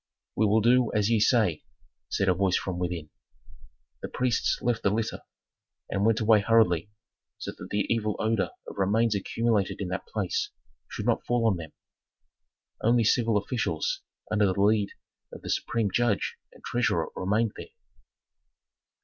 "We will do as ye say," said a voice from within. The priests left the litter, and went away hurriedly, so that the evil odor of remains accumulated in that place should not fall on them. Only civil officials under the lead of the supreme judge and treasurer remained there.